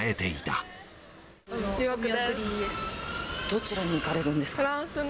どちらに行かれるんですか？